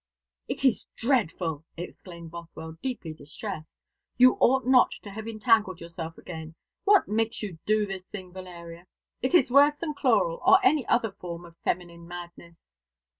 "It is dreadful!" exclaimed Bothwell, deeply distressed. "You ought not to have entangled yourself again. What makes you do this thing, Valeria? It is worse than chloral, or any other form of feminine madness."